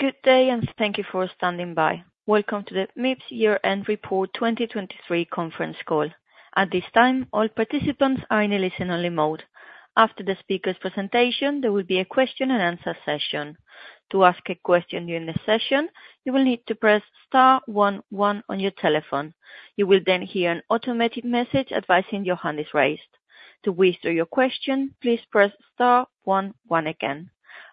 Good day, and thank you for standing by. Welcome to the Mips Year-End Report 2023 conference call. At this time, all participants are in a listen-only mode. After the speaker's presentation, there will be a question and answer session. To ask a question during the session, you will need to press star one one on your telephone. You will then hear an automated message advising your hand is raised. To withdraw your question, please press star one one again.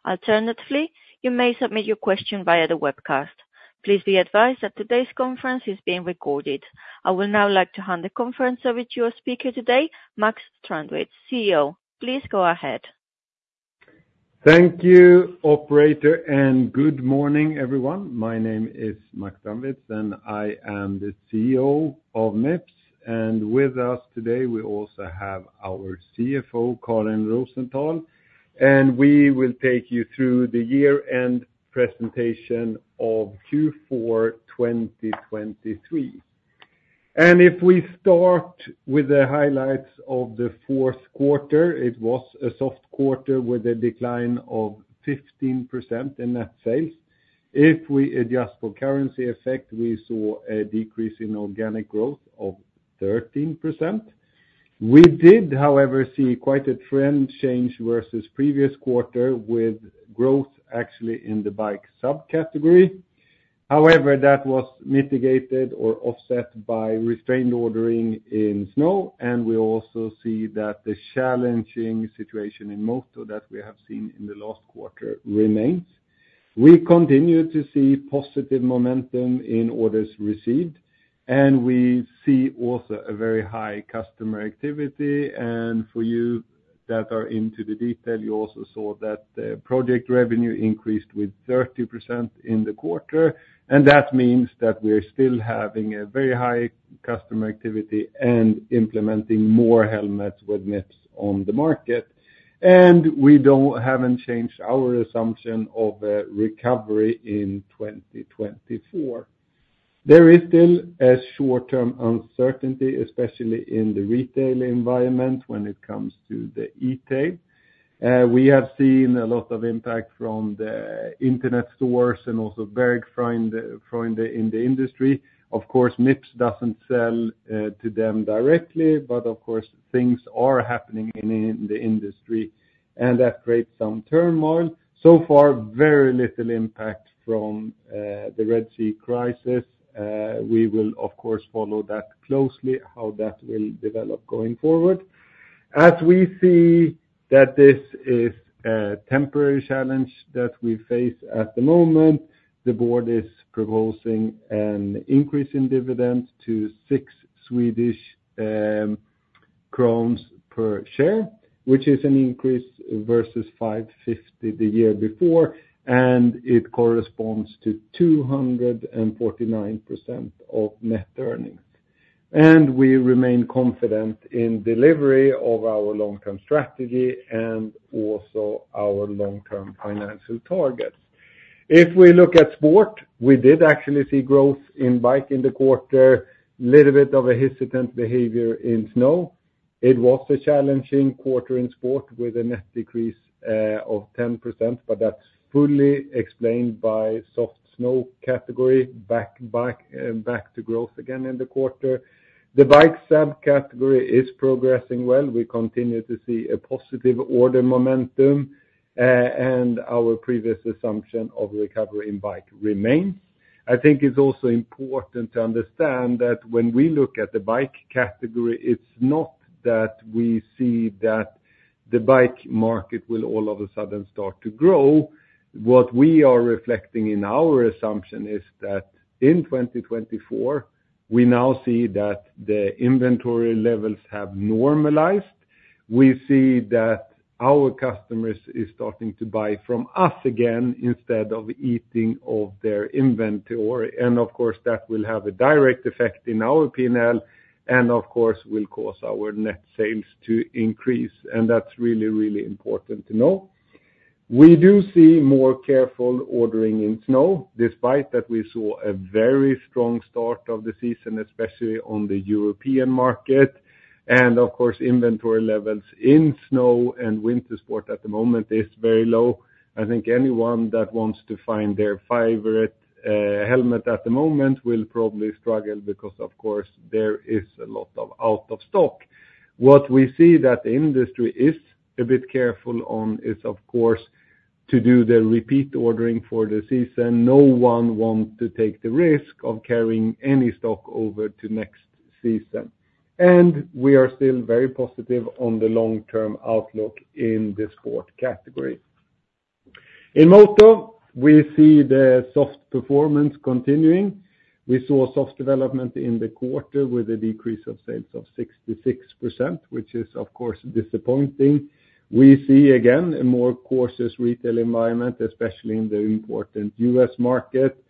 Alternatively, you may submit your question via the webcast. Please be advised that today's conference is being recorded. I will now like to hand the conference over to your speaker today, Max Strandwitz, CEO. Please go ahead. Thank you, operator, and good morning, everyone. My name is Max Strandwitz, and I am the CEO of Mips. With us today, we also have our CFO, Karin Rosenthal, and we will take you through the year-end presentation of Q4 2023. If we start with the highlights of the fourth quarter, it was a soft quarter with a decline of 15% in net sales. If we adjust for currency effect, we saw a decrease in organic growth of 13%. We did, however, see quite a trend change versus previous quarter, with growth actually in the bike subcategory. However, that was mitigated or offset by restrained ordering in snow, and we also see that the challenging situation in moto that we have seen in the last quarter remains. We continue to see positive momentum in orders received, and we see also a very high customer activity. For you that are into the detail, you also saw that the project revenue increased with 30% in the quarter, and that means that we're still having a very high customer activity and implementing more helmets with Mips on the market, and we haven't changed our assumption of a recovery in 2024. There is still a short-term uncertainty, especially in the retail environment when it comes to the e-tail. We have seen a lot of impact from the internet stores and also very strong in the industry. Of course, Mips doesn't sell to them directly, but of course, things are happening in the industry, and that creates some turmoil. So far, very little impact from the Red Sea crisis. We will, of course, follow that closely, how that will develop going forward. As we see that this is a temporary challenge that we face at the moment, the board is proposing an increase in dividends to 6 Swedish crowns per share, which is an increase versus 5.50 the year before, and it corresponds to 249% of net earnings. We remain confident in delivery of our long-term strategy and also our long-term financial targets. If we look at sport, we did actually see growth in bike in the quarter. Little bit of a hesitant behavior in snow. It was a challenging quarter in sport with a net decrease of 10%, but that's fully explained by soft snow category. Bike back to growth again in the quarter. The bike subcategory is progressing well. We continue to see a positive order momentum, and our previous assumption of recovery in bike remains. I think it's also important to understand that when we look at the bike category, it's not that we see that the bike market will all of a sudden start to grow. What we are reflecting in our assumption is that in 2024, we now see that the inventory levels have normalized. We see that our customers is starting to buy from us again instead of eating of their inventory. And of course, that will have a direct effect in our P&L, and of course, will cause our net sales to increase, and that's really, really important to know. We do see more careful ordering in snow, despite that we saw a very strong start of the season, especially on the European market, and of course, inventory levels in snow and winter sport at the moment is very low. I think anyone that wants to find their favorite helmet at the moment will probably struggle because, of course, there is a lot of out of stock. What we see that the industry is a bit careful on is, of course, to do the repeat ordering for the season. No one want to take the risk of carrying any stock over to next season, and we are still very positive on the long-term outlook in the sport category. In moto, we see the soft performance continuing. We saw a soft development in the quarter with a decrease of sales of 66%, which is, of course, disappointing. We see, again, a more cautious retail environment, especially in the important U.S. market.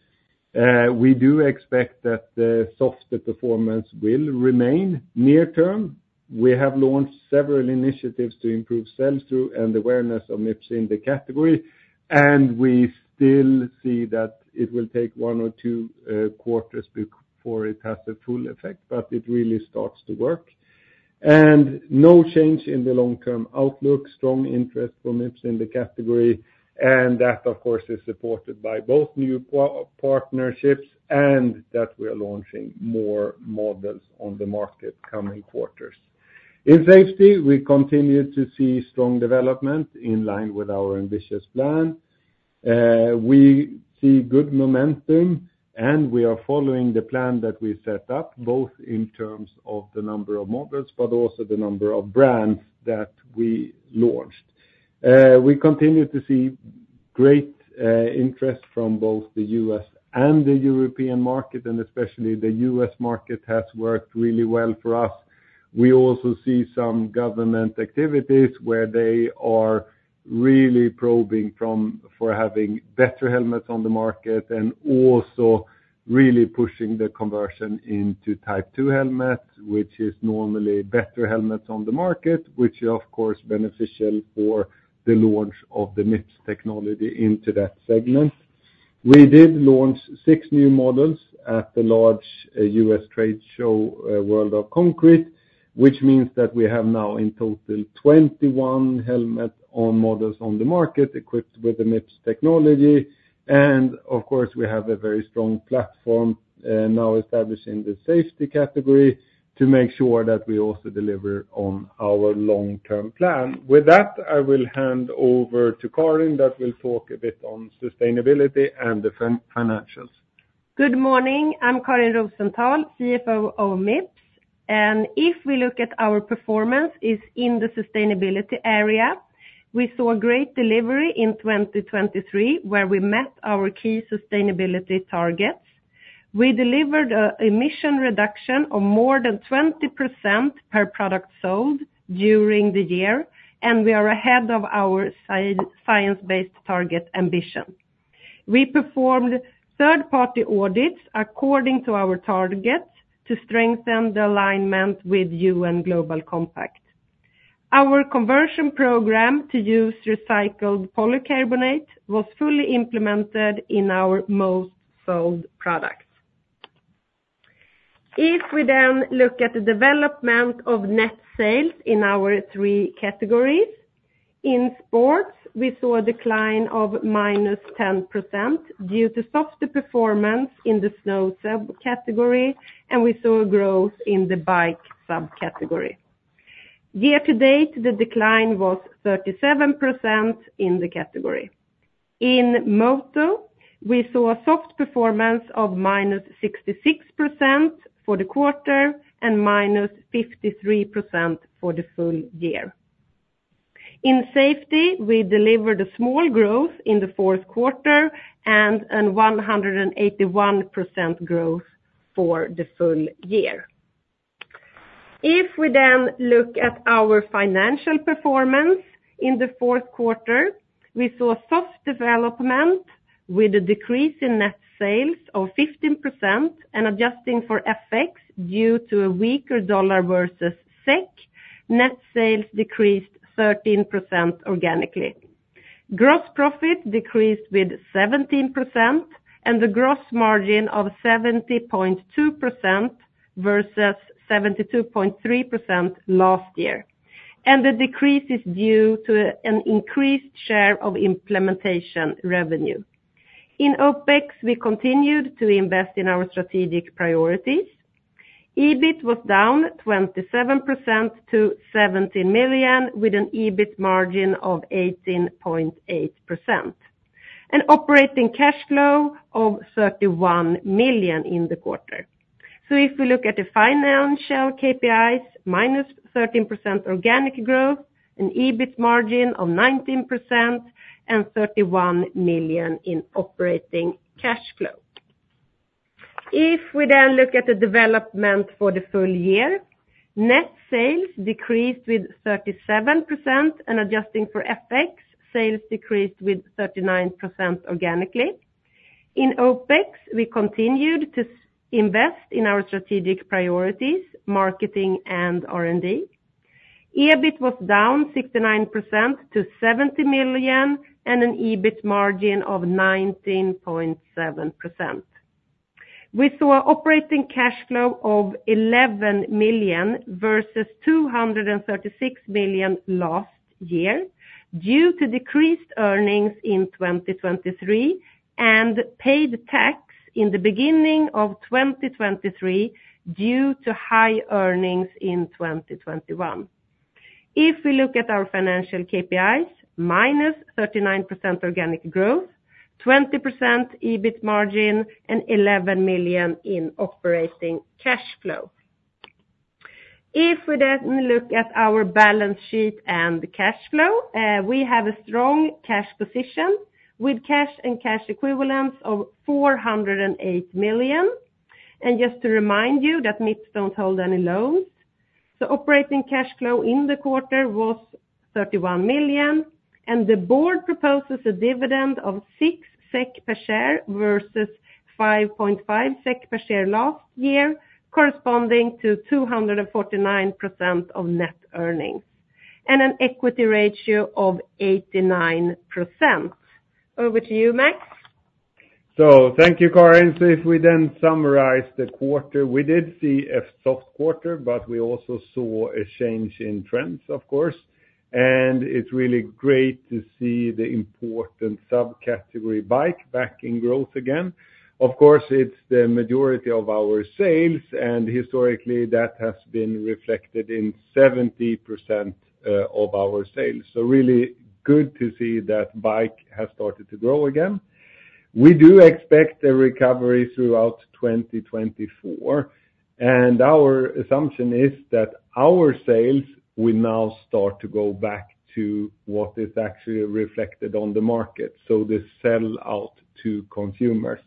We do expect that the softer performance will remain near term. We have launched several initiatives to improve sell-through and awareness of Mips in the category, and we still see that it will take one or two quarters before it has a full effect, but it really starts to work. No change in the long-term outlook, strong interest from Mips in the category, and that, of course, is supported by both new partnerships, and that we are launching more models on the market coming quarters. In safety, we continue to see strong development in line with our ambitious plan. We see good momentum, and we are following the plan that we set up, both in terms of the number of models, but also the number of brands that we launched. We continue to see great interest from both the U.S. and the European market, and especially the U.S. market has worked really well for us. We also see some government activities where they are really probing for having better helmets on the market and also really pushing the conversion into Type II helmets, which is normally better helmets on the market, which is, of course, beneficial for the launch of the Mips technology into that segment. We did launch 6 new models at the large U.S. trade show, World of Concrete, which means that we have now, in total, 21 helmet models on the market equipped with the Mips technology. Of course, we have a very strong platform now establishing the safety category to make sure that we also deliver on our long-term plan. With that, I will hand over to Karin, that will talk a bit on sustainability and the financials. Good morning. I'm Karin Rosenthal, CFO of Mips. If we look at our performance in the sustainability area, we saw great delivery in 2023, where we met our key sustainability targets. We delivered an emission reduction of more than 20% per product sold during the year, and we are ahead of our science-based target ambition. We performed third-party audits according to our targets to strengthen the alignment with UN Global Compact. Our conversion program to use recycled polycarbonate was fully implemented in our most sold products. If we then look at the development of net sales in our three categories, in sports, we saw a decline of -10% due to softer performance in the snow subcategory, and we saw a growth in the bike subcategory. Year to date, the decline was 37% in the category. In moto, we saw a soft performance of -66% for the quarter and -53% for the full year. In safety, we delivered a small growth in the fourth quarter and a 181% growth for the full year. If we then look at our financial performance in the fourth quarter, we saw a soft development with a decrease in net sales of 15% and adjusting for FX due to a weaker dollar versus SEK, net sales decreased 13% organically. Gross profit decreased with 17%, and the gross margin of 70.2% versus 72.3% last year. And the decrease is due to an increased share of implementation revenue. In OpEx, we continued to invest in our strategic priorities. EBIT was down 27% to 17 million, with an EBIT margin of 18.8%, and operating cash flow of 31 million in the quarter. So if we look at the financial KPIs, -13% organic growth, an EBIT margin of 19%, and 31 million in operating cash flow. If we then look at the development for the full year, net sales decreased with 37%, and adjusting for FX, sales decreased with 39% organically. In OpEx, we continued to invest in our strategic priorities, marketing and R&D. EBIT was down 69% to 70 million, and an EBIT margin of 19.7%. We saw operating cash flow of 11 million versus 236 million last year due to decreased earnings in 2023, and paid tax in the beginning of 2023 due to high earnings in 2021. If we look at our financial KPIs, -39% organic growth, 20% EBIT margin, and 11 million in operating cash flow. If we then look at our balance sheet and the cash flow, we have a strong cash position with cash and cash equivalents of 408 million. Just to remind you that Mips don't hold any loans. The operating cash flow in the quarter was 31 million, and the board proposes a dividend of 6 SEK per share versus 5.5 SEK per share last year, corresponding to 249% of net earnings, and an equity ratio of 89%. Over to you, Max. So thank you, Karin. So if we then summarize the quarter, we did see a soft quarter, but we also saw a change in trends, of course, and it's really great to see the important subcategory bike back in growth again. Of course, it's the majority of our sales, and historically, that has been reflected in 70%, of our sales. So really good to see that bike has started to grow again. We do expect a recovery throughout 2024, and our assumption is that our sales will now start to go back to what is actually reflected on the market, so the sell-out to consumers.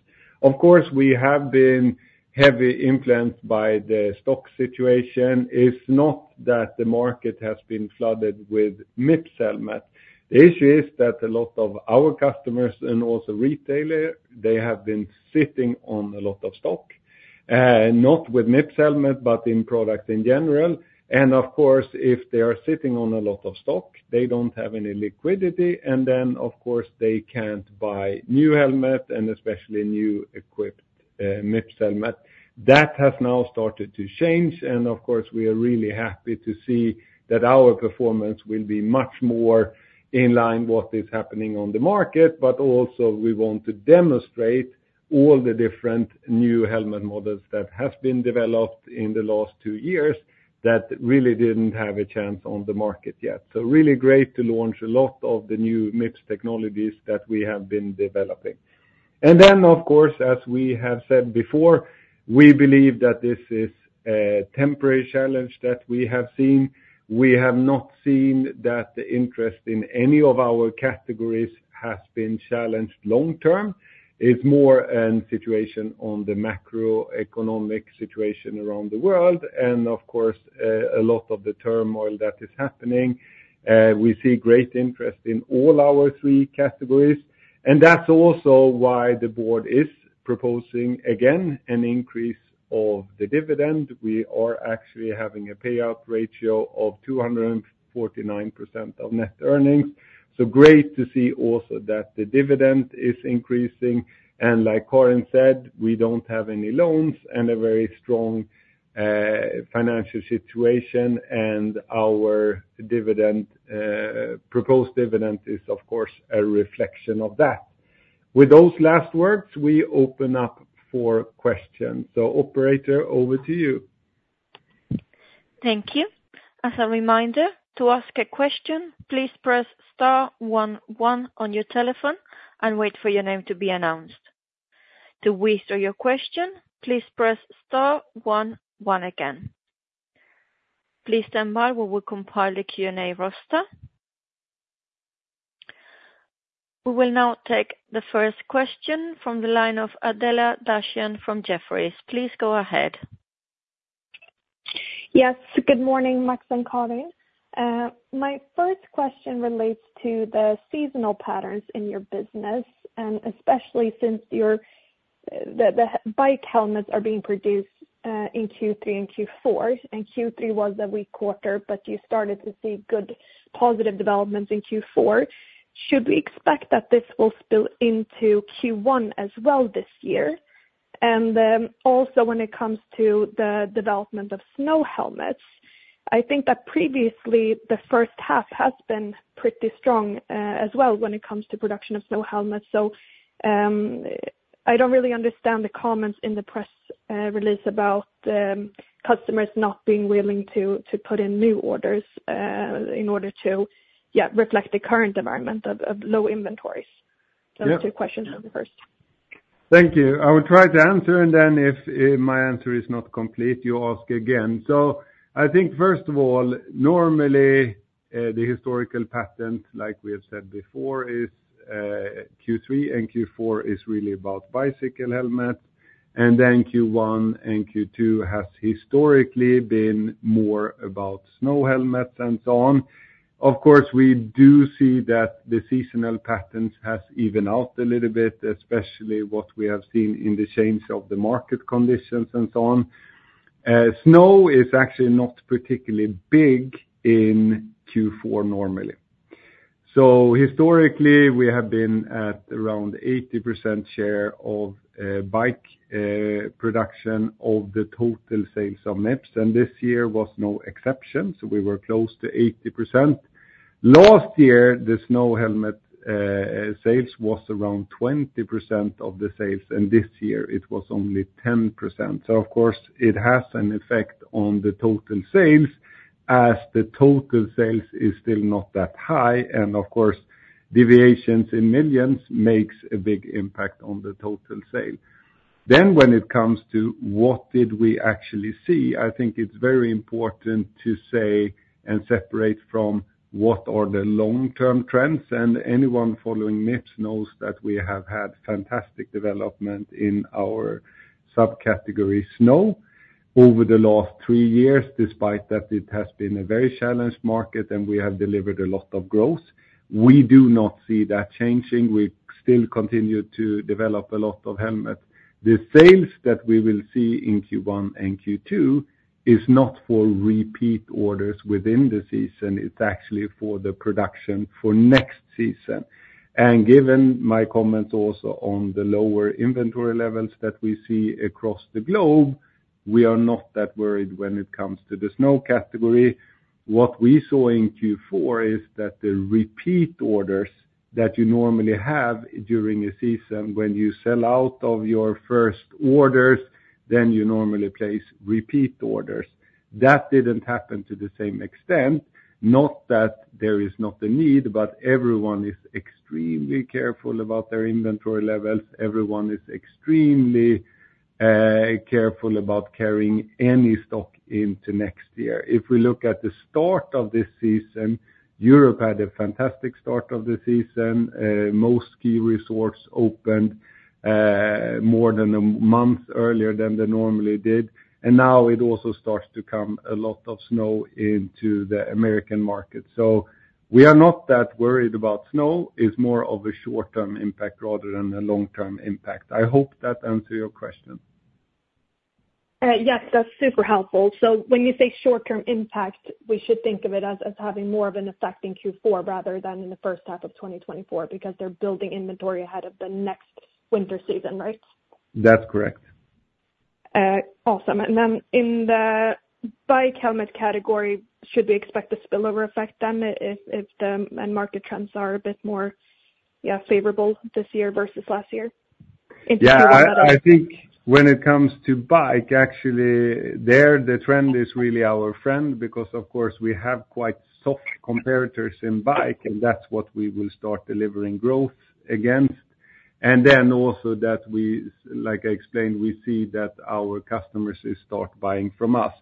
Of course, we have been heavily influenced by the stock situation. It's not that the market has been flooded with Mips helmet. The issue is that a lot of our customers and also retailer, they have been sitting on a lot of stock, not with Mips helmet, but in products in general. And of course, if they are sitting on a lot of stock, they don't have any liquidity, and then, of course, they can't buy new helmet and especially new equipped, Mips helmet. That has now started to change, and of course, we are really happy to see that our performance will be much more in line what is happening on the market, but also we want to demonstrate all the different new helmet models that have been developed in the last two years that really didn't have a chance on the market yet. So really great to launch a lot of the new Mips technologies that we have been developing. And then, of course, as we have said before, we believe that this is a temporary challenge that we have seen. We have not seen that the interest in any of our categories has been challenged long-term. It's more a situation on the macroeconomic situation around the world, and of course, a lot of the turmoil that is happening. We see great interest in all our three categories, and that's also why the board is proposing, again, an increase of the dividend. We are actually having a payout ratio of 249% of net earnings. So great to see also that the dividend is increasing, and like Karin said, we don't have any loans and a very strong, financial situation, and our proposed dividend is, of course, a reflection of that. With those last words, we open up for questions. Operator, over to you. Thank you. As a reminder, to ask a question, please press star one one on your telephone and wait for your name to be announced. To withdraw your question, please press star one one again. Please stand by, we will compile the Q&A roster. We will now take the first question from the line of Adela Dashian from Jefferies. Please go ahead. Yes, good morning, Max and Karin. My first question relates to the seasonal patterns in your business, and especially since your bike helmets are being produced in Q3 and Q4, and Q3 was a weak quarter, but you started to see good positive developments in Q4. Should we expect that this will spill into Q1 as well this year? And then also, when it comes to the development of snow helmets, I think that previously, the first half has been pretty strong as well, when it comes to production of snow helmets. So, I don't really understand the comments in the press release about customers not being willing to put in new orders in order to yeah reflect the current environment of low inventories. Yeah. So those are two questions on the first. Thank you. I will try to answer, and then if my answer is not complete, you ask again. So I think first of all, normally, the historical pattern, like we have said before, is Q3 and Q4 is really about bicycle helmets, and then Q1 and Q2 has historically been more about snow helmets and so on. Of course, we do see that the seasonal patterns has even out a little bit, especially what we have seen in the change of the market conditions and so on. Snow is actually not particularly big in Q4 normally. So historically, we have been at around 80% share of bike production of the total sales of Mips, and this year was no exception, so we were close to 80%. Last year, the snow helmet sales was around 20% of the sales, and this year it was only 10%. So of course, it has an effect on the total sales, as the total sales is still not that high. And of course, deviations in millions makes a big impact on the total sale. Then when it comes to what did we actually see, I think it's very important to say and separate from what are the long-term trends, and anyone following Mips knows that we have had fantastic development in our subcategory snow over the last 3 years, despite that it has been a very challenged market and we have delivered a lot of growth. We do not see that changing. We still continue to develop a lot of helmets. The sales that we will see in Q1 and Q2 is not for repeat orders within the season. It's actually for the production for next season. Given my comments also on the lower inventory levels that we see across the globe, we are not that worried when it comes to the snow category. What we saw in Q4 is that the repeat orders that you normally have during a season when you sell out of your first orders, then you normally place repeat orders. That didn't happen to the same extent, not that there is not a need, but everyone is extremely careful about their inventory levels. Everyone is extremely careful about carrying any stock into next year. If we look at the start of this season, Europe had a fantastic start of the season. Most ski resorts opened more than a month earlier than they normally did, and now it also starts to come a lot of snow into the American market. So we are not that worried about snow. It's more of a short-term impact rather than a long-term impact. I hope that answer your question. Yes, that's super helpful. So when you say short-term impact, we should think of it as, as having more of an effect in Q4, rather than in the first half of 2024, because they're building inventory ahead of the next winter season, right? That's correct. Awesome. Then in the bike helmet category, should we expect a spillover effect then, if the market trends are a bit more, yeah, favorable this year versus last year? Yeah. In terms of- I think when it comes to bike, actually, there, the trend is really our friend because, of course, we have quite soft competitors in bike, and that's what we will start delivering growth against. And then also that we—like I explained, we see that our customers start buying from us.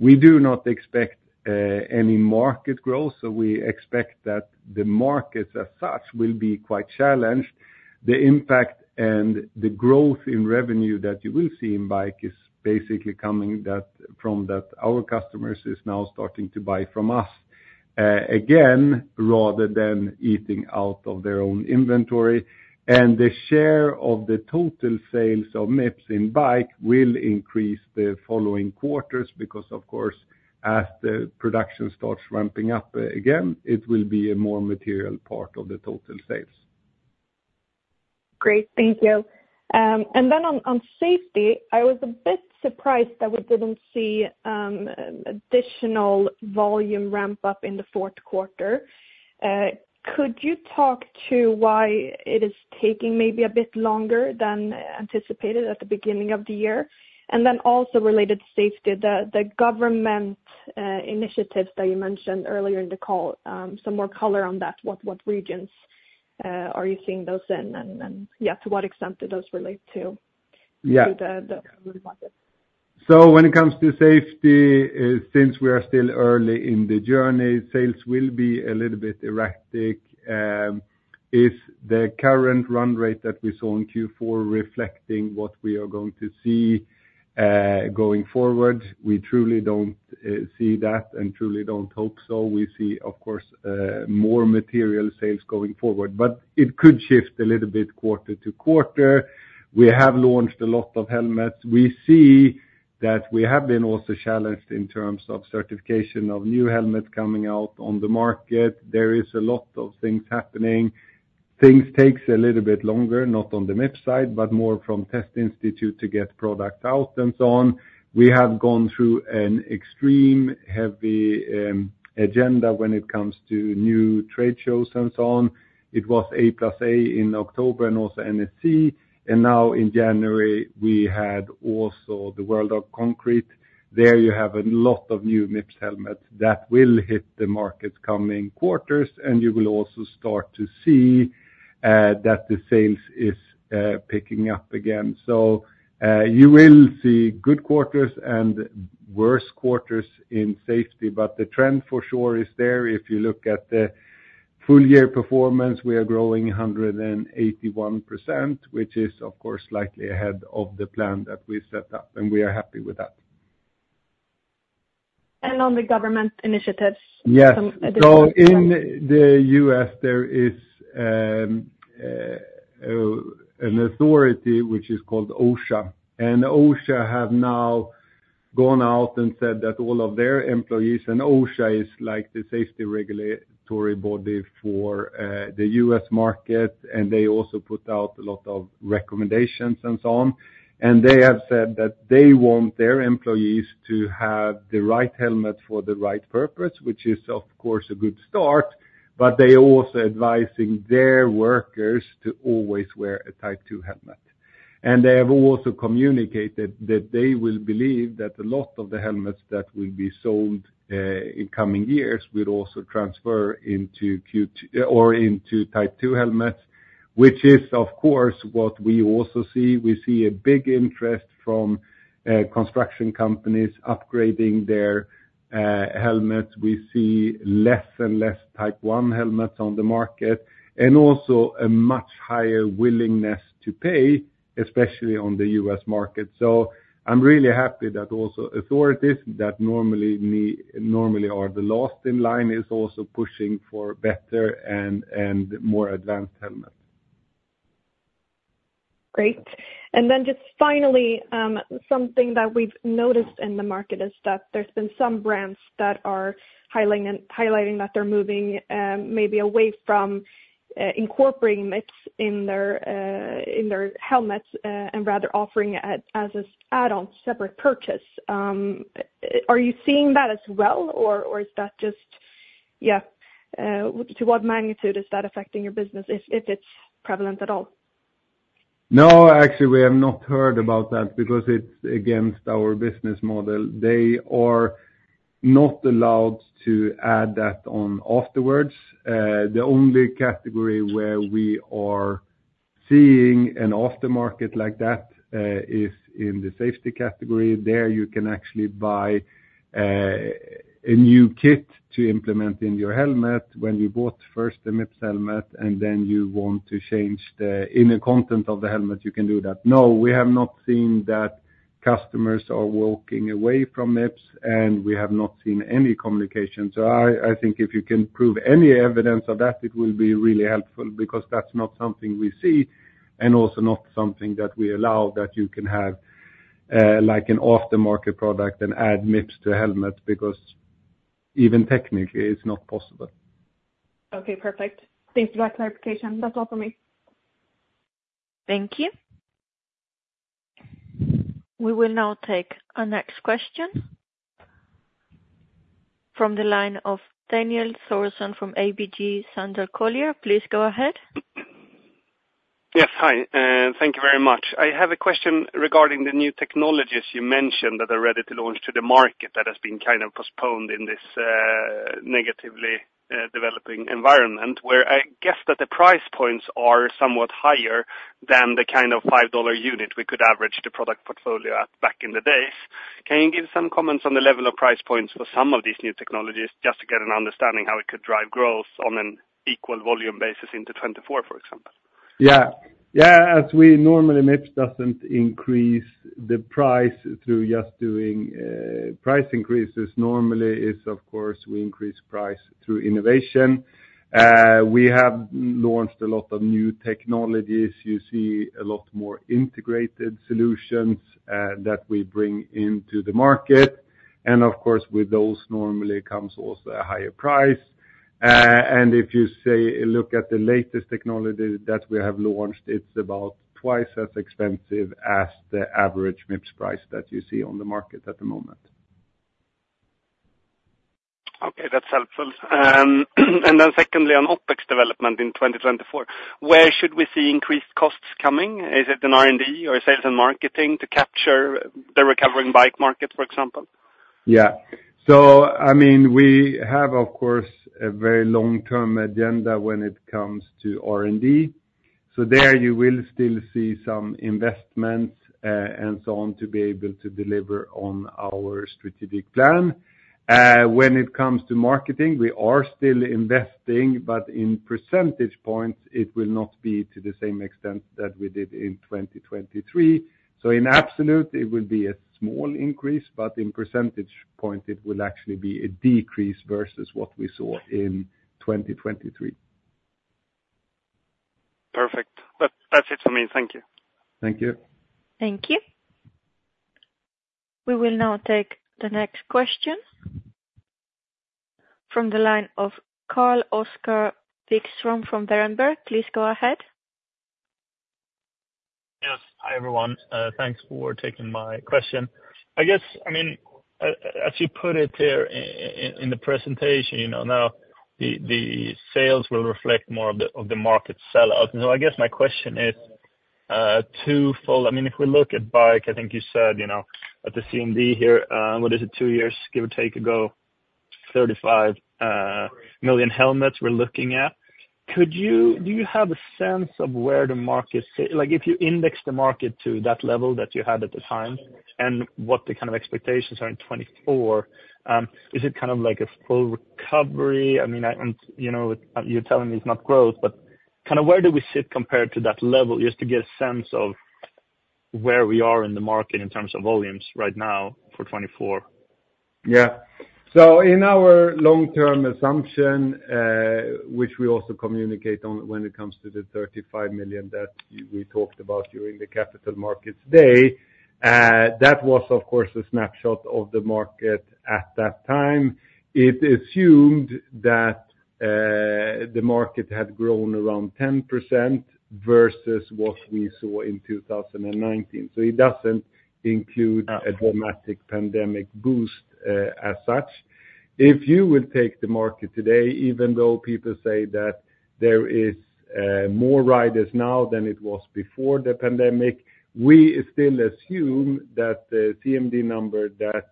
We do not expect any market growth, so we expect that the markets as such, will be quite challenged. The impact and the growth in revenue that you will see in bike is basically coming that, from that our customers is now starting to buy from us, again, rather than eating out of their own inventory. And the share of the total sales of Mips in bike will increase the following quarters because, of course, as the production starts ramping up again, it will be a more material part of the total sales. Great, thank you. And then on safety, I was a bit surprised that we didn't see additional volume ramp up in the fourth quarter. Could you talk to why it is taking maybe a bit longer than anticipated at the beginning of the year? And then also related to safety, the government initiatives that you mentioned earlier in the call, some more color on that. What regions are you seeing those in? And yeah, to what extent do those relate to- Yeah to the market? So when it comes to safety, since we are still early in the journey, sales will be a little bit erratic. If the current run rate that we saw in Q4 reflecting what we are going to see, going forward, we truly don't see that and truly don't hope so. We see, of course, more material sales going forward, but it could shift a little bit quarter to quarter. We have launched a lot of helmets. We see that we have been also challenged in terms of certification of new helmets coming out on the market. There is a lot of things happening. Things takes a little bit longer, not on the Mips side, but more from test institute to get products out and so on. We have gone through an extreme heavy, agenda when it comes to new trade shows and so on. It was A+A in October and also NSC, and now in January, we had also the World of Concrete. There you have a lot of new Mips helmets that will hit the markets coming quarters, and you will also start to see, that the sales is, picking up again. So, you will see good quarters and worse quarters in safety, but the trend for sure is there. If you look at the full year performance, we are growing 181%, which is, of course, slightly ahead of the plan that we set up, and we are happy with that. On the government initiatives? Yes. Some additional- So in the U.S., there is an authority which is called OSHA. OSHA have now gone out and said that all of their employees, and OSHA is like the safety regulatory body for the U.S. market, and they also put out a lot of recommendations and so on. They have said that they want their employees to have the right helmet for the right purpose, which is, of course, a good start, but they are also advising their workers to always wear a Type II helmet. They have also communicated that they will believe that a lot of the helmets that will be sold in coming years will also transfer into Type II helmets, which is, of course, what we also see. We see a big interest from construction companies upgrading their helmets. We see less and less Type I helmets on the market, and also a much higher willingness to pay, especially on the U.S. market. So I'm really happy that also authorities that normally are the last in line, is also pushing for better and more advanced helmets. Great. And then just finally, something that we've noticed in the market is that there's been some brands that are highlighting that they're moving, maybe away from incorporating Mips in their helmets, and rather offering it as add-on separate purchase. Are you seeing that as well, or is that just to what magnitude is that affecting your business, if it's prevalent at all? No, actually, we have not heard about that because it's against our business model. They are not allowed to add that on afterwards. The only category where we are seeing an aftermarket like that is in the safety category. There, you can actually buy a new kit to implement in your helmet. When you bought first the Mips helmet, and then you want to change the inner content of the helmet, you can do that. No, we have not seen that customers are walking away from Mips, and we have not seen any communication. So I think if you can prove any evidence of that, it will be really helpful, because that's not something we see, and also not something that we allow, that you can have like an aftermarket product and add Mips to a helmet, because even technically, it's not possible. Okay, perfect. Thanks for that clarification. That's all for me. Thank you. We will now take our next question from the line of Daniel Thorsson from ABG Sundal Collier. Please go ahead. Yes. Hi, thank you very much. I have a question regarding the new technologies you mentioned that are ready to launch to the market, that has been kind of postponed in this, negatively, developing environment, where I guess that the price points are somewhat higher than the kind of $5 unit we could average the product portfolio at back in the days. Can you give some comments on the level of price points for some of these new technologies, just to get an understanding how it could drive growth on an equal volume basis into 2024, for example? Yeah. Yeah, as we normally, Mips doesn't increase the price through just doing price increases. Normally, it's of course we increase price through innovation. We have launched a lot of new technologies. You see a lot more integrated solutions that we bring into the market, and of course, with those normally comes also a higher price. And if you say, look at the latest technology that we have launched, it's about twice as expensive as the average Mips price that you see on the market at the moment. Okay, that's helpful. And then secondly, on OpEx development in 2024, where should we see increased costs coming? Is it in R&D or sales and marketing to capture the recovering bike market, for example? Yeah. So, I mean, we have, of course, a very long-term agenda when it comes to R&D. So there you will still see some investments and so on, to be able to deliver on our strategic plan. When it comes to marketing, we are still investing, but in percentage points, it will not be to the same extent that we did in 2023. So in absolute, it will be a small increase, but in percentage point, it will actually be a decrease versus what we saw in 2023. Perfect. That, that's it for me. Thank you. Thank you. Thank you. We will now take the next question from the line of Carl Oscar Vikström from Berenberg. Please go ahead. Yes. Hi, everyone, thanks for taking my question. I guess, I mean, as you put it there in the presentation, you know, now the sales will reflect more of the market sellout. So I guess my question is twofold. I mean, if we look at bike, I think you said, you know, at the CMD here two years, give or take, ago, 35 million helmets we're looking at. Could you have a sense of where the market sits? Like, if you index the market to that level that you had at the time, and what the kind of expectations are in 2024, is it kind of like a full recovery? I mean, and you know, you're telling me it's not growth, but kind of where do we sit compared to that level? Just to get a sense of where we are in the market in terms of volumes right now for 2024. Yeah. So in our long-term assumption, which we also communicate on when it comes to the 35 million that we talked about during the Capital Markets Day, that was, of course, a snapshot of the market at that time. It assumed that the market had grown around 10% versus what we saw in 2019. So it doesn't include- Uh. A dramatic pandemic boost, as such. If you would take the market today, even though people say that there is more riders now than it was before the pandemic, we still assume that the CMD number that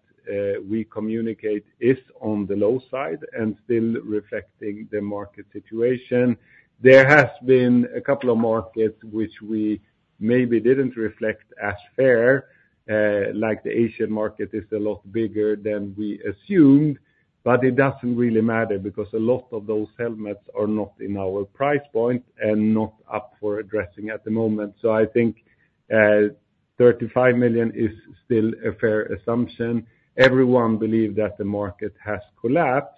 we communicate is on the low side and still reflecting the market situation. There has been a couple of markets which we maybe didn't reflect as fair, like the Asian market is a lot bigger than we assumed, but it doesn't really matter because a lot of those helmets are not in our price point and not up for addressing at the moment. So I think, 35 million is still a fair assumption. Everyone believes that the market has collapsed,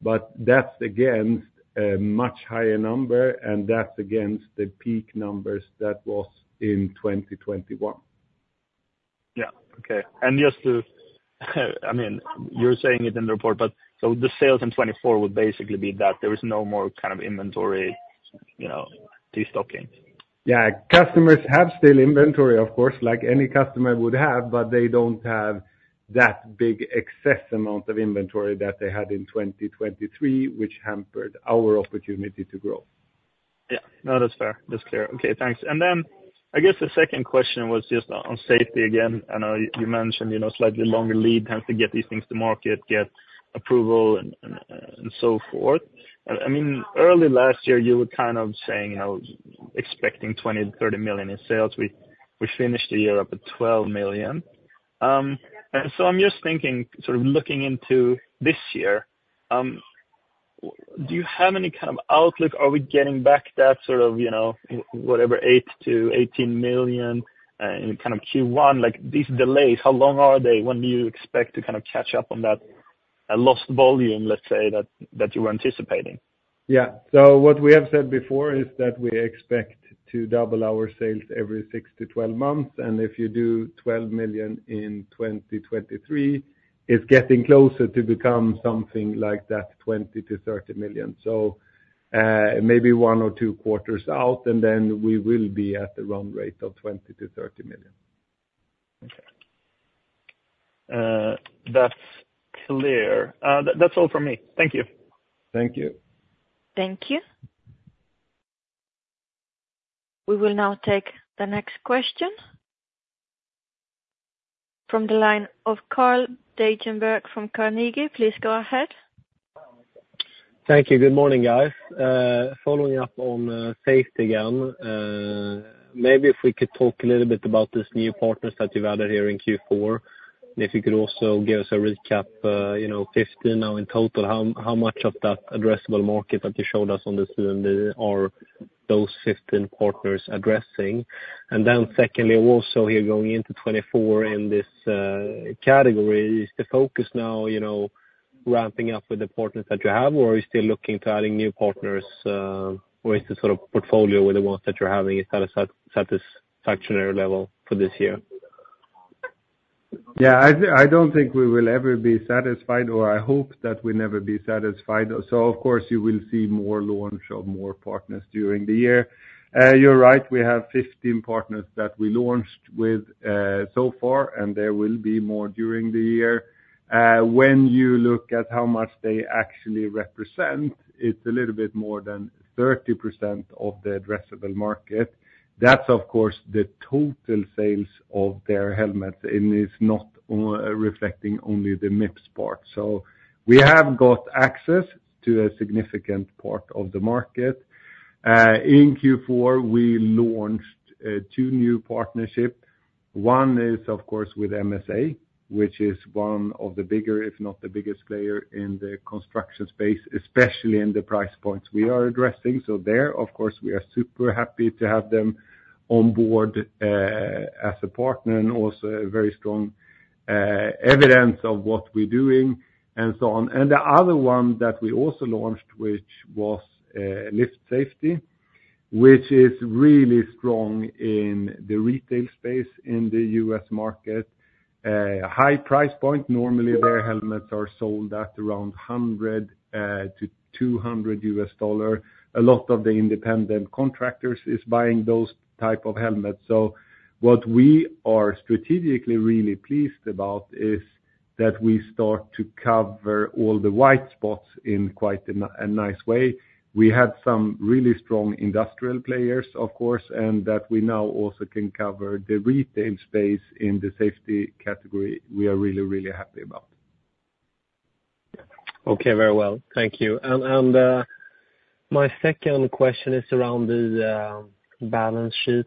but that's against a much higher number, and that's against the peak numbers that was in 2021. Yeah. Okay. And just to, I mean, you're saying it in the report, but so the sales in 2024 would basically be that there is no more kind of inventory, you know, destocking? Yeah, customers have still inventory, of course, like any customer would have, but they don't have that big excess amount of inventory that they had in 2023, which hampered our opportunity to grow. Yeah. No, that's fair. That's clear. Okay, thanks. And then I guess the second question was just on safety again. I know you mentioned, you know, slightly longer lead time to get these things to market, get approval, and so forth. I mean, early last year, you were kind of saying, you know, expecting 20 million-30 million in sales. We finished the year up at 12 million. And so I'm just thinking, sort of looking into this year, do you have any kind of outlook? Are we getting back that sort of, you know, whatever, 8 million-18 million, in kind of Q1? Like, these delays, how long are they? When do you expect to kind of catch up on that, lost volume, let's say, that you were anticipating? Yeah. So what we have said before is that we expect to double our sales every 6-12 months, and if you do 12 million in 2023, it's getting closer to become something like that, 20 million-30 million. So, maybe 1 or 2 quarters out, and then we will be at the run rate of 20 million-30 million. Okay. That's clear. That's all from me. Thank you. Thank you. Thank you. We will now take the next question from the line of Carl Deijenberg from Carnegie. Please go ahead. Thank you. Good morning, guys. Following up on safety again, maybe if we could talk a little bit about these new partners that you've added here in Q4. If you could also give us a recap, you know, 15 now in total, how much of that addressable market that you showed us on this ND are those 15 partners addressing? And then secondly, also here going into 2024 in this category, is the focus now, you know, ramping up with the partners that you have, or are you still looking to adding new partners, or is the sort of portfolio with the ones that you're having, is that a satisfactory level for this year? Yeah, I don't think we will ever be satisfied, or I hope that we never be satisfied. So of course, you will see more launch of more partners during the year. You're right, we have 15 partners that we launched with, so far, and there will be more during the year. When you look at how much they actually represent, it's a little bit more than 30% of the addressable market. That's, of course, the total sales of their helmets, and it's not reflecting only the Mips part. So we have got access to a significant part of the market. In Q4, we launched two new partnership. One is, of course, with MSA, which is one of the bigger, if not the biggest player in the construction space, especially in the price points we are addressing. So there, of course, we are super happy to have them on board, as a partner, and also a very strong evidence of what we're doing, and so on. And the other one that we also launched, which was, LIFT Safety, which is really strong in the retail space in the U.S. market. High price point, normally their helmets are sold at around $100-$200. A lot of the independent contractors is buying those type of helmets. So what we are strategically really pleased about is that we start to cover all the white spots in quite a nice way. We had some really strong industrial players, of course, and that we now also can cover the retail space in the safety category, we are really, really happy about. Okay, very well. Thank you. And my second question is around the balance sheet.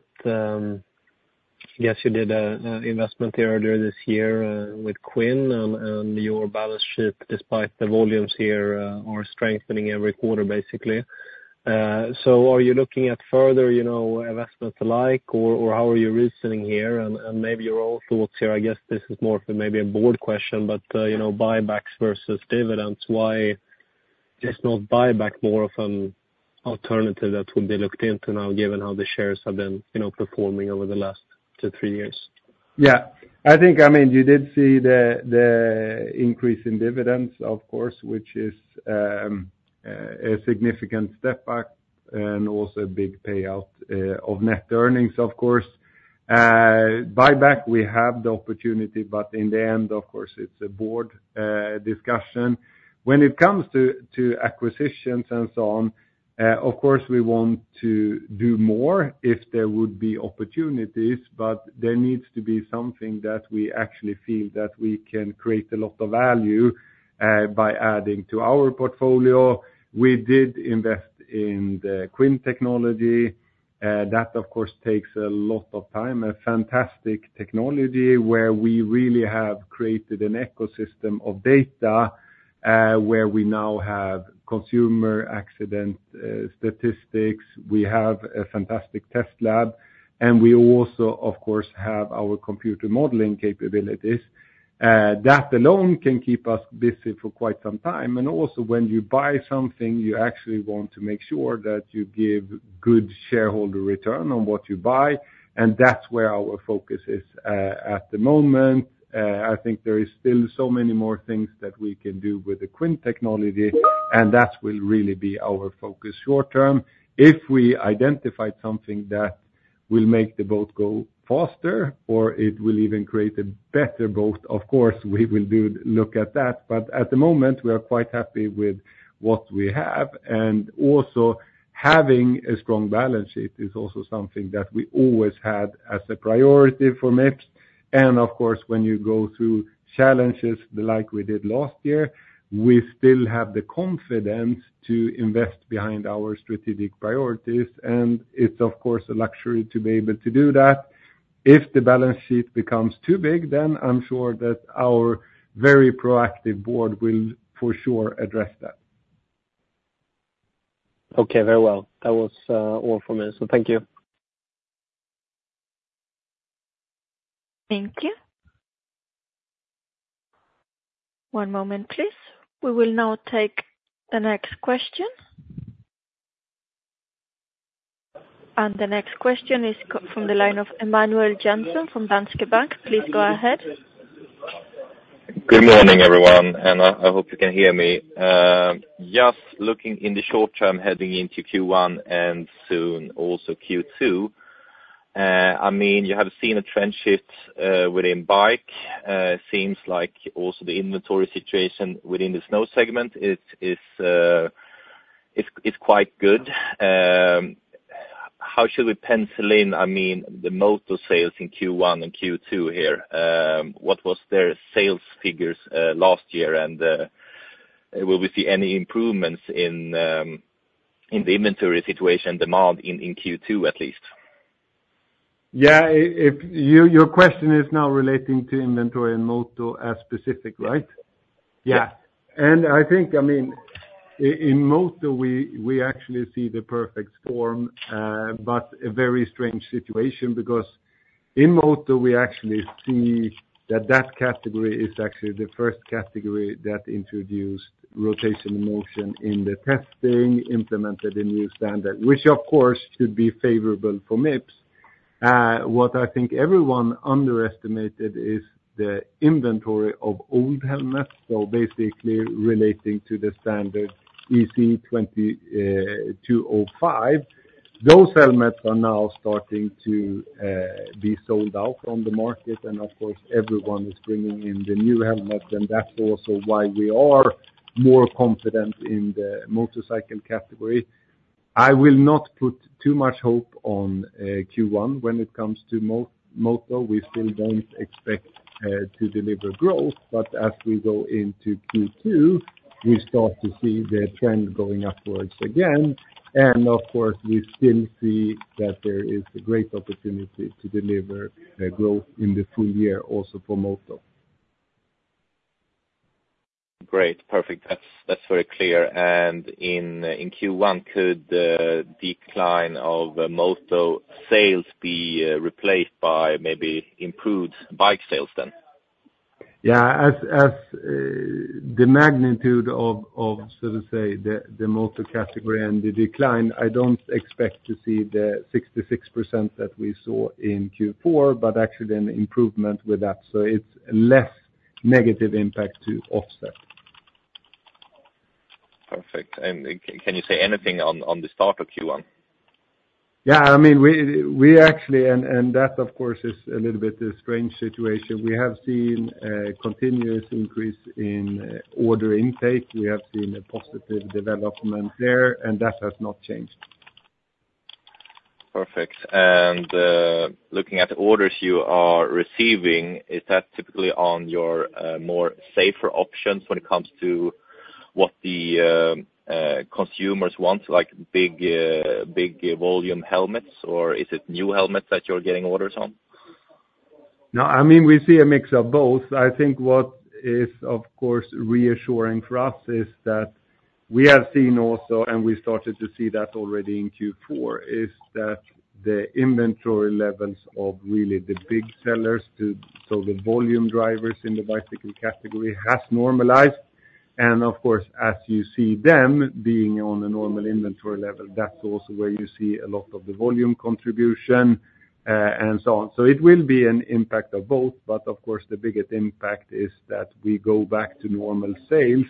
Yes, you did an investment earlier this year with Quin, and your balance sheet, despite the volumes here, are strengthening every quarter, basically. So are you looking at further, you know, investments alike, or how are you reasoning here? And maybe your own thoughts here, I guess this is more of a, maybe a board question, but you know, buybacks versus dividends, why is not buyback more of an alternative that would be looked into now, given how the shares have been, you know, performing over the last 2-3 years? Yeah. I think, I mean, you did see the increase in dividends, of course, which is a significant step back and also a big payout of net earnings, of course. Buyback, we have the opportunity, but in the end, of course, it's a board discussion. When it comes to acquisitions and so on, of course, we want to do more if there would be opportunities, but there needs to be something that we actually feel that we can create a lot of value by adding to our portfolio. We did invest in the Quin technology, that of course takes a lot of time. A fantastic technology, where we really have created an ecosystem of data, where we now have consumer accident statistics. We have a fantastic test lab, and we also, of course, have our computer modeling capabilities. That alone can keep us busy for quite some time. And also, when you buy something, you actually want to make sure that you give good shareholder return on what you buy, and that's where our focus is, at the moment. I think there is still so many more things that we can do with the Quin technology, and that will really be our focus short term. If we identify something that will make the boat go faster or it will even create a better boat, of course, we will do look at that, but at the moment, we are quite happy with what we have. And also, having a strong balance sheet is also something that we always had as a priority for Mips. Of course, when you go through challenges like we did last year, we still have the confidence to invest behind our strategic priorities, and it's, of course, a luxury to be able to do that. If the balance sheet becomes too big, then I'm sure that our very proactive board will for sure address that. Okay, very well. That was all from me. So thank you. Thank you. One moment, please. We will now take the next question. The next question is from the line of Emanuel Jansson from Danske Bank. Please go ahead. Good morning, everyone, and I hope you can hear me. Just looking in the short term, heading into Q1 and soon also Q2, I mean, you have seen a trend shift within bike. Seems like also the inventory situation within the snow segment is quite good. How should we pencil in, I mean, the motor sales in Q1 and Q2 here? What was their sales figures last year? And will we see any improvements in the inventory situation, demand in Q2, at least? Yeah, if your question is now relating to inventory and moto as specific, right? Yeah. And I think, I mean, in moto, we, we actually see the perfect storm, but a very strange situation because in moto, we actually see that, that category is actually the first category that introduced rotational motion in the testing, implemented a new standard, which, of course, should be favorable for Mips. What I think everyone underestimated is the inventory of old helmets, so basically relating to the standard ECE 22.05. Those helmets are now starting to be sold out on the market, and of course, everyone is bringing in the new helmet, and that's also why we are more confident in the motorcycle category. I will not put too much hope on Q1. When it comes to moto, we still don't expect to deliver growth, but as we go into Q2, we start to see the trend going upwards again. And of course, we still see that there is a great opportunity to deliver growth in the full year also for moto. Great, perfect. That's very clear. And in Q1, could the decline of moto sales be replaced by maybe improved bike sales then? Yeah, as the magnitude of so to say the moto category and the decline, I don't expect to see the 66% that we saw in Q4, but actually an improvement with that. So it's less negative impact to offset. Perfect. Can you say anything on the start of Q1? Yeah, I mean, we actually... And that, of course, is a little bit a strange situation. We have seen a continuous increase in order intake. We have seen a positive development there, and that has not changed. Perfect. And, looking at the orders you are receiving, is that typically on your, more safer options when it comes to what the consumers want, like big, big volume helmets? Or is it new helmets that you're getting orders on? No, I mean, we see a mix of both. I think what is, of course, reassuring for us is that we have seen also, and we started to see that already in Q4, is that the inventory levels of really the big sellers to—so the volume drivers in the bicycle category has normalized. And of course, as you see them being on a normal inventory level, that's also where you see a lot of the volume contribution, and so on. So it will be an impact of both, but of course, the biggest impact is that we go back to normal sales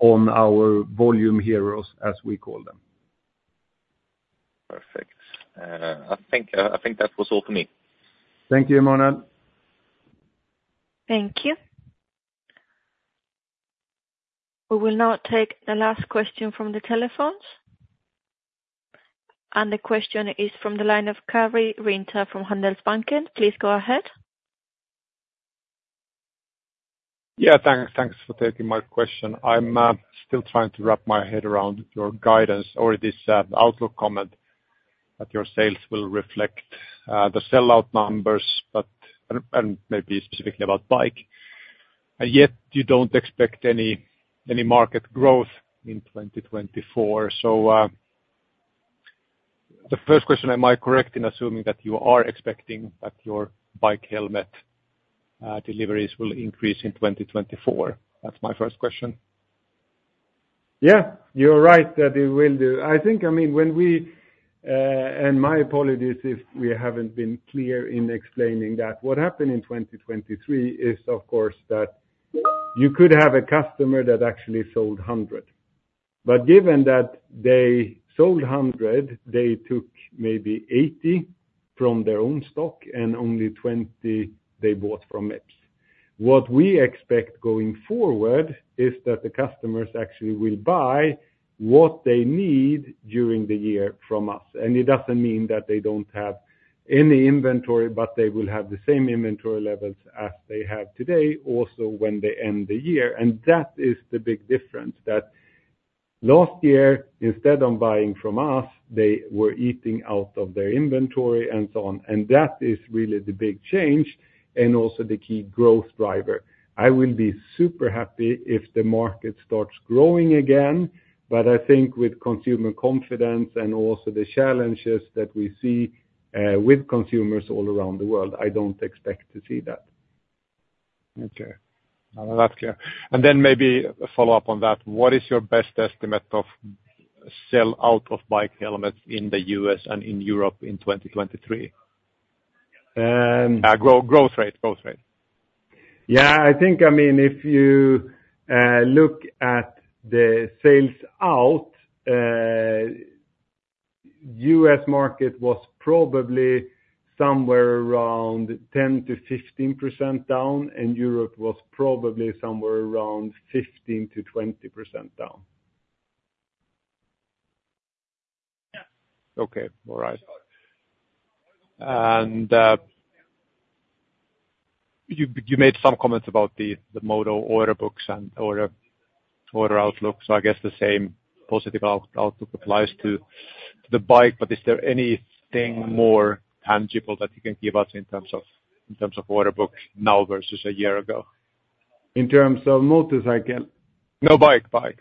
on our volume heroes, as we call them. Perfect. I think, I think that was all for me. Thank you, Emmanuel. Thank you. We will now take the last question from the telephones. The question is from the line of Karri Rinta from Handelsbanken. Please go ahead. Yeah, thanks, thanks for taking my question. I'm still trying to wrap my head around your guidance or this outlook comment that your sales will reflect the sellout numbers, but—and maybe specifically about bike. And yet you don't expect any market growth in 2024. So, the first question, am I correct in assuming that you are expecting that your bike helmet deliveries will increase in 2024? That's my first question. Yeah, you're right that it will do. I think, I mean, when we, and my apologies if we haven't been clear in explaining that. What happened in 2023 is, of course, that you could have a customer that actually sold 100. But given that they sold 100, they took maybe 80 from their own stock, and only 20 they bought from Mips. What we expect going forward is that the customers actually will buy what they need during the year from us. And it doesn't mean that they don't have any inventory, but they will have the same inventory levels as they have today, also when they end the year. And that is the big difference, that last year, instead of buying from us, they were eating out of their inventory and so on. And that is really the big change and also the key growth driver. I will be super happy if the market starts growing again, but I think with consumer confidence and also the challenges that we see with consumers all around the world, I don't expect to see that. Okay. Well, that's clear. And then maybe a follow-up on that. What is your best estimate of sell out of bike helmets in the U.S. and in Europe in 2023? Um- Growth rate, growth rate. Yeah, I think, I mean, if you look at the sell-out, U.S. market was probably somewhere around 10%-15% down, and Europe was probably somewhere around 15%-20% down. Okay, all right. You made some comments about the moto order books and order outlook. So I guess the same positive outlook applies to the bike, but is there anything more tangible that you can give us in terms of order book now versus a year ago? In terms of motorcycle? No, bike, bike.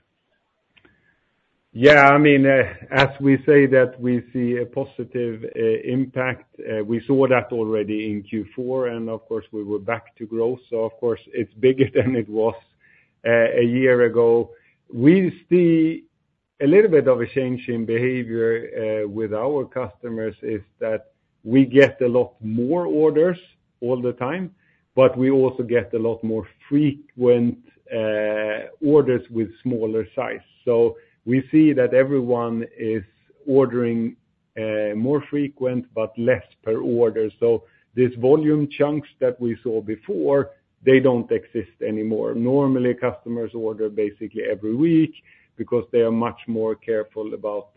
Yeah, I mean, as we say that we see a positive impact, we saw that already in Q4, and of course, we were back to growth. So of course, it's bigger than it was a year ago. We see a little bit of a change in behavior with our customers, is that we get a lot more orders all the time, but we also get a lot more frequent orders with smaller size. So we see that everyone is ordering more frequent, but less per order. So these volume chunks that we saw before, they don't exist anymore. Normally, customers order basically every week because they are much more careful about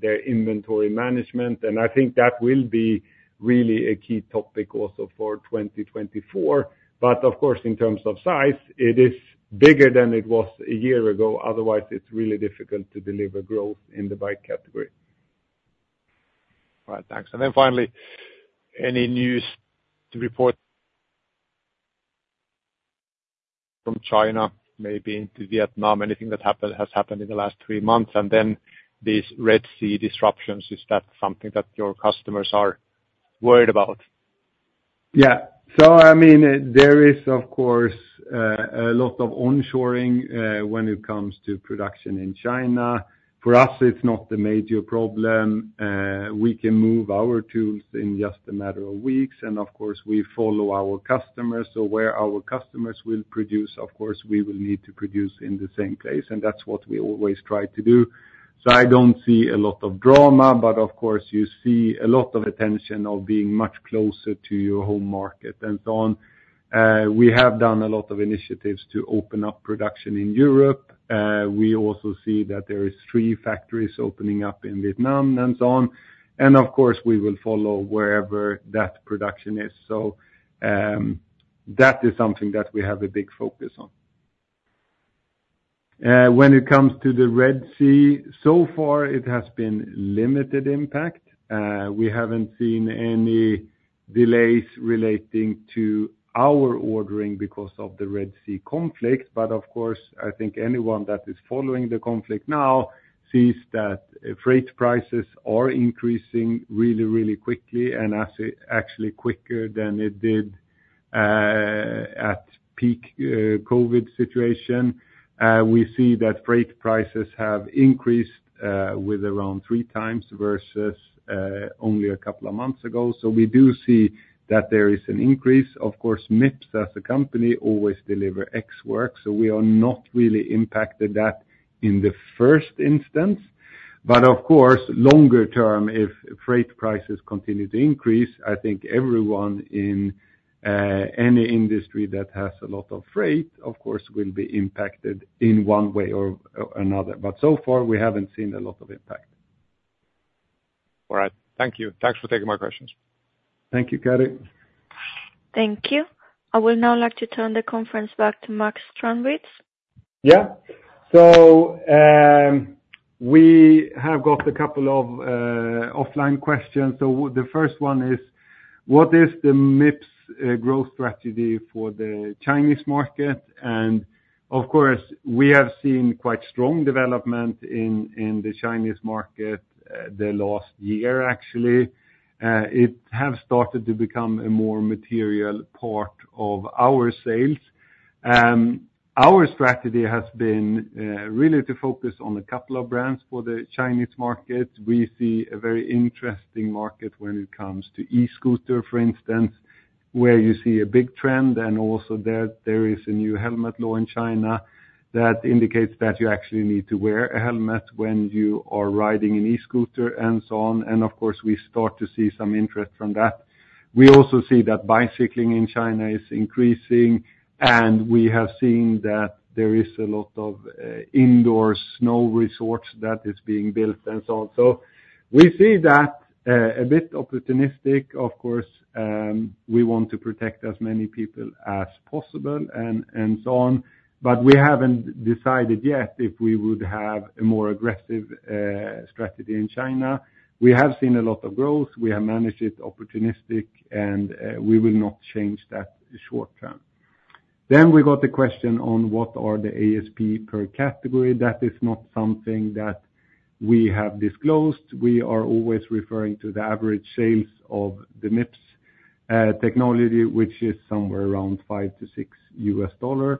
their inventory management, and I think that will be really a key topic also for 2024. Of course, in terms of size, it is bigger than it was a year ago. Otherwise, it's really difficult to deliver growth in the bike category. All right, thanks. And then finally, any news to report from China, maybe into Vietnam, anything that has happened in the last three months? And then these Red Sea disruptions, is that something that your customers are worried about? Yeah. So I mean, there is, of course, a lot of onshoring when it comes to production in China. For us, it's not a major problem. We can move our tools in just a matter of weeks, and of course, we follow our customers. So where our customers will produce, of course, we will need to produce in the same place, and that's what we always try to do. So I don't see a lot of drama, but of course, you see a lot of attention of being much closer to your home market and so on. We have done a lot of initiatives to open up production in Europe. We also see that there is three factories opening up in Vietnam and so on. And of course, we will follow wherever that production is. That is something that we have a big focus on. When it comes to the Red Sea, so far it has been limited impact. We haven't seen any delays relating to our ordering because of the Red Sea conflict, but of course, I think anyone that is following the conflict now sees that freight prices are increasing really, really quickly and actually quicker than it did at peak COVID situation. We see that freight prices have increased with around three times versus only a couple of months ago. So we do see that there is an increase. Of course, Mips as a company always deliver X work, so we are not really impacted that in the first instance. But of course, longer term, if freight prices continue to increase, I think everyone in any industry that has a lot of freight, of course, will be impacted in one way or another. But so far, we haven't seen a lot of impact. All right. Thank you. Thanks for taking my questions. Thank you, Carrie. Thank you. I would now like to turn the conference back to Max Strandwitz. Yeah. So, we have got a couple of offline questions. So the first one is: What is the Mips growth strategy for the Chinese market? And of course, we have seen quite strong development in the Chinese market the last year, actually. It have started to become a more material part of our sales. Our strategy has been really to focus on a couple of brands for the Chinese market. We see a very interesting market when it comes to e-scooter, for instance, where you see a big trend, and also there, there is a new helmet law in China that indicates that you actually need to wear a helmet when you are riding an e-scooter and so on. And of course, we start to see some interest from that. We also see that bicycling in China is increasing, and we have seen that there is a lot of indoor snow resorts that is being built and so on. So we see that a bit opportunistic. Of course, we want to protect as many people as possible and, and so on, but we haven't decided yet if we would have a more aggressive strategy in China. We have seen a lot of growth, we have managed it opportunistic, and we will not change that short term. Then we got a question on what are the ASP per category? That is not something that we have disclosed. We are always referring to the average sales of the Mips technology, which is somewhere around $5-$6.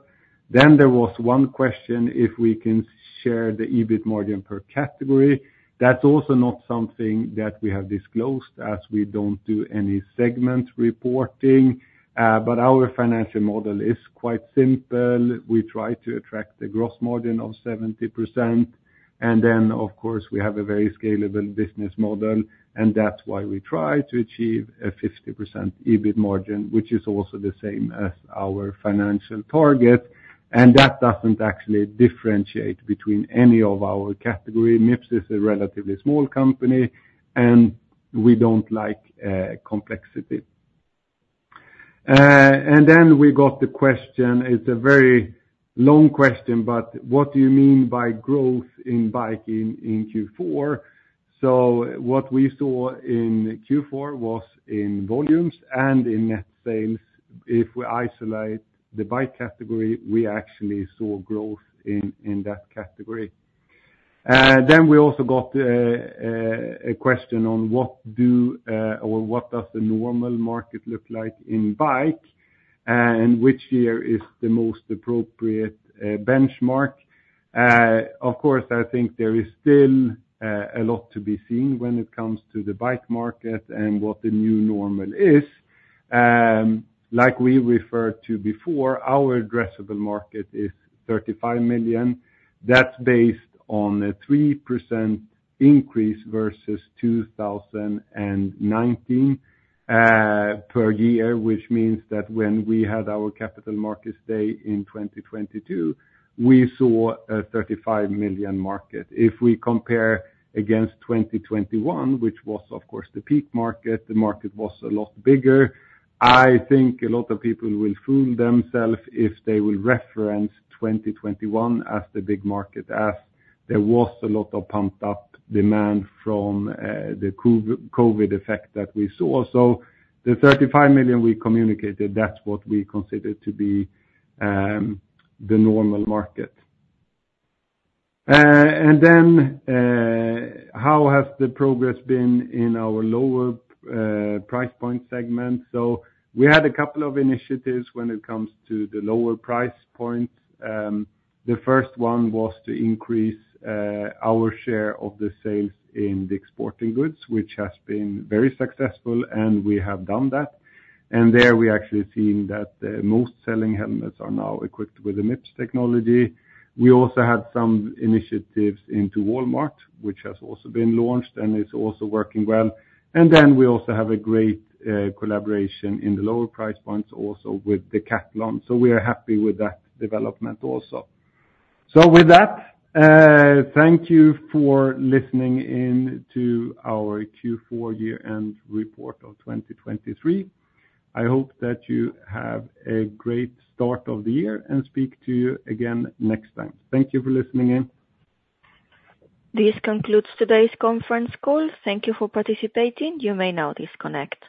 Then there was one question, if we can share the EBIT margin per category. That's also not something that we have disclosed, as we don't do any segment reporting. But our financial model is quite simple. We try to attract a gross margin of 70%, and then, of course, we have a very scalable business model, and that's why we try to achieve a 50% EBIT margin, which is also the same as our financial target. And that doesn't actually differentiate between any of our category. Mips is a relatively small company, and we don't like, complexity. And then we got the question, it's a very long question, but what do you mean by growth in biking in Q4? So what we saw in Q4 was in volumes and in net sales. If we isolate the bike category, we actually saw growth in, in that category. Then we also got a question on what do or what does the normal market look like in bike and which year is the most appropriate benchmark? Of course, I think there is still a lot to be seen when it comes to the bike market and what the new normal is. Like we referred to before, our addressable market is 35 million. That's based on a 3% increase versus 2019 per year, which means that when we had our Capital Markets Day in 2022, we saw a 35 million market. If we compare against 2021, which was of course the peak market, the market was a lot bigger. I think a lot of people will fool themselves if they will reference 2021 as the big market, as there was a lot of pumped up demand from the COVID effect that we saw. So the 35 million we communicated, that's what we consider to be the normal market. And then, how has the progress been in our lower price point segment? So we had a couple of initiatives when it coming to the lower price point. The first one was to increase our share of the sales in the Sporting Goods, which has been very successful, and we have done that. And there, we actually seen that the most selling helmets are now equipped with the Mips technology. We also had some initiatives into Walmart, which has also been launched and is also working well. And then we also have a great collaboration in the lower price points also with Decathlon. So we are happy with that development also. So with that, thank you for listening in to our Q4 year-end report of 2023. I hope that you have a great start of the year and speak to you again next time. Thank you for listening in. This concludes today's conference call. Thank you for participating. You may now disconnect.